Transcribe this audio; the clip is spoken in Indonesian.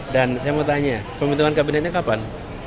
dan saya mau tanya pembentukan kabinetnya kapan